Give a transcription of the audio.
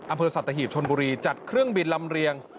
อำเภอสัตหีบชนบุรีจัดเครื่องบินลำเรียง